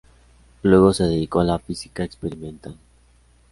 Luego se dedicó a la física experimental.